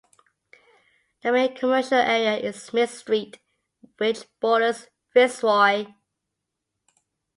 The main commercial area is Smith Street, which borders Fitzroy.